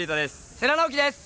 世良直輝です。